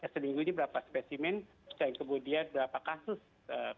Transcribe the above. seminggu ini berapa spesimen dan kemudian berapa kasus